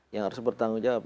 yang harus bertanggung jawab